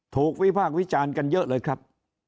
ถูกวิภาควิจารณ์กันเยอะเลยครับ